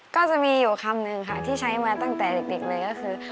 ก็จะมีอยู่คำนึงค่ะที่ใช้มาตั้งแต่เด็กเลยก็คือ